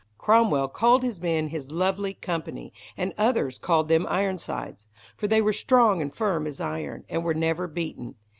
Cromwell called his men his "lovely company", and others called them "Ironsides", for they were strong and firm as iron, and were never beaten.